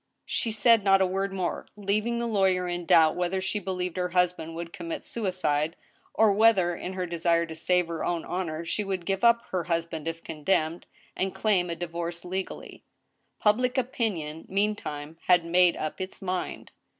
She said not a word more, leaving the lawyer in doubt whether she believed her husband would commit suicide, or whether in her desire to save her own honor she would give up her husband if condemned, and claim a divorce legally. Public opinion, meantime, had made up its mind.